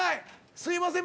すいません。